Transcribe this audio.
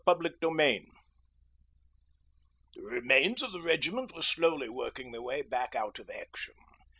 'BUSINESS AS USUAL' The remains of the Regiment were slowly working their way back out of action.